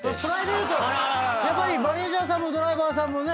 マネジャーさんもドライバーさんもね